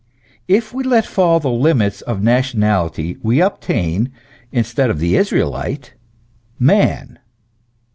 * If we let fall the limits of nationality, we obtain instead of the Israelite man.